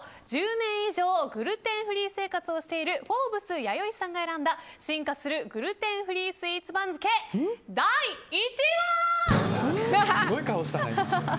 １０年以上グルテンフリー生活をしているフォーブス弥生さんが選んだ進化するグルテンフリースイーツ番付第１位は。